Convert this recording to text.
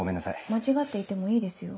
間違っていてもいいですよ。